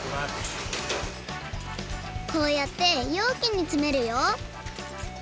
こうやってようきにつめるよ。